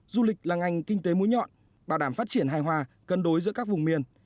du lịch là ngành kinh tế mũi nhọn bảo đảm phát triển hài hòa cân đối giữa các vùng miền